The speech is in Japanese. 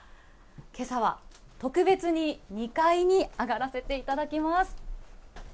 けさは特別に２階に上がらせていただきます。